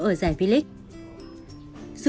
ở giải v league